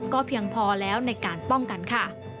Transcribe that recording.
เพียงพอแล้วในการป้องกันค่ะ